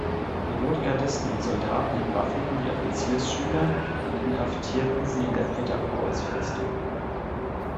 Die Rotgardisten und Soldaten entwaffneten die Offiziersschüler und inhaftierten sie in der Peter-Pauls-Festung.